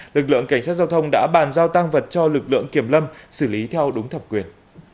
lực lượng cảnh sát giao thông đã bàn giao tăng vật cho lực lượng kiểm lâm xử lý theo đúng thẩm quyền